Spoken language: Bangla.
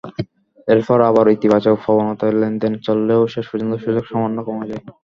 এরপর আবার ইতিবাচক প্রবণতায় লেনদেন চললেও শেষ পর্যন্ত সূচক সামান্য কমে যায়।